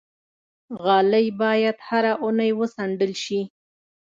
غالۍ باید هره اونۍ وڅنډل شي.